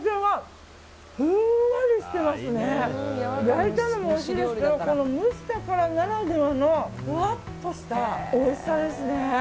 焼いたのもおいしいですけど蒸したからならではのふわっとしたおいしさですね。